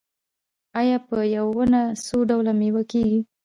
آیا په یوه ونه څو ډوله میوه کیږي؟